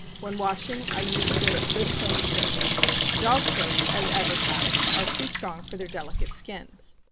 When washing, I use a bit of good plain soap. Dog soaps, as advertised, are too strong for their delicate skins.